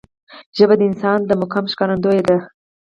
ژبه د انسان د مقام ښکارندوی ده